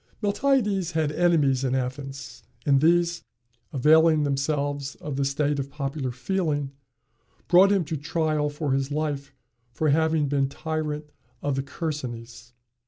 Miltiades had enemies at Athens; and these, availing themselves of the state of popular feeling, brought him to trial for his life for having been tyrant of the Chersonese.